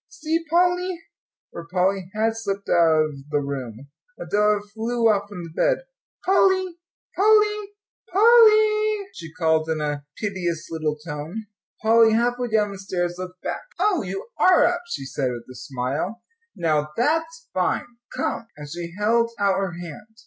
"See, Pol ly!" for Polly had slipped out of the room. Adela flew off from the bed. "Polly Polly, Pol ly!" she called, in a piteous little tone. Polly, halfway down the stairs, looked back. "Oh, you are up," she said, with a smile. "Now that's fine; come." And she held out her hand.